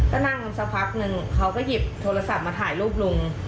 ก็นั่งสักพักนึงเขาก็หยิบโทรศัพท์มาถ่ายรูปลุง